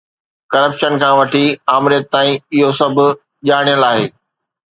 Corruption کان وٺي آمريت تائين، اهو سڀ ڇانيل آهي.